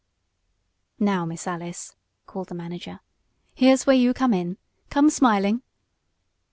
"Now, Miss Alice!" called the manager. "Here's where you come in. Come smiling!"